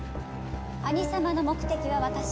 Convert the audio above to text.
兄様の目的は私。